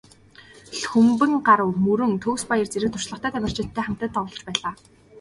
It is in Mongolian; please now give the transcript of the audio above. Лхүмбэнгарав, Мөрөн, Төгсбаяр зэрэг туршлагатай тамирчидтай хамтдаа тоглож байлаа.